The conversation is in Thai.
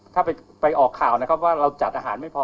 ถ้าไปออกข่าวนะครับว่าเราจัดอาหารไม่พอ